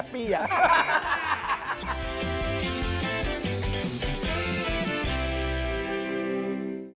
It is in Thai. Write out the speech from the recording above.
สวัสดีครับ